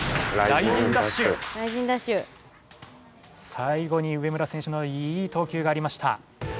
さいごに植村選手のいい投球がありました。